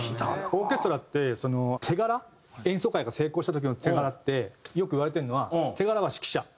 オーケストラって手柄演奏会が成功した時の手柄ってよくいわれてるのは手柄は指揮者。